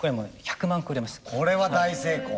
これは大成功。